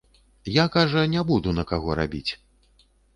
Я, кажа, не буду на каго рабіць.